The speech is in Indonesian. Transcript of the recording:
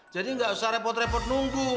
jadi gak usah repot repot nunggu